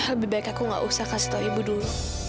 lebih baik aku nggak usah kasih tahu ibu dulu